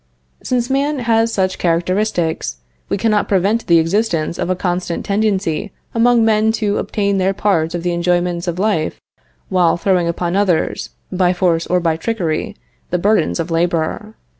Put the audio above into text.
Since man has such characteristics, we cannot prevent the existence of a constant tendency among men to obtain their part of the enjoyments of life while throwing upon others, by force or by trickery, the burdens of labor.